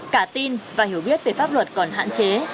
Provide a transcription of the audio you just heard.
cả tin và hiểu biết về pháp luật còn hạn chế